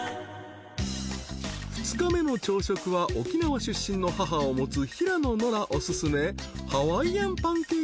［２日目の朝食は沖縄出身の母を持つ平野ノラおすすめ］